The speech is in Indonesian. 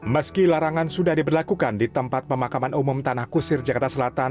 meski larangan sudah diberlakukan di tempat pemakaman umum tanah kusir jakarta selatan